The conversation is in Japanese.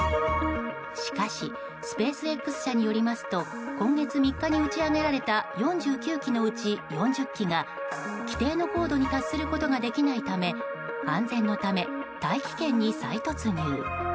しかしスペースＸ社によりますと今月３日に打ち上げられた４９基のうち４０基が既定の高度に達することができないため安全のため、大気圏に再突入。